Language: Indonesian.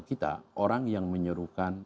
kita orang yang menyuruhkan